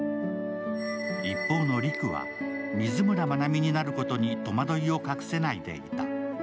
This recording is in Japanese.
一方の陸は水村まなみになることに戸惑いを隠せないでいた。